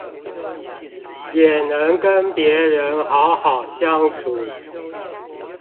也能跟別人好好相處